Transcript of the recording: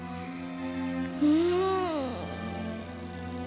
うん。